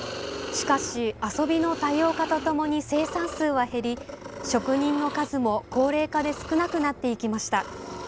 しかし、遊びの多様化とともに生産数は減り職人の数も、高齢化で少なくなっていきました。